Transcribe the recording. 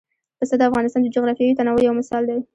پسه د افغانستان د جغرافیوي تنوع یو مثال دی.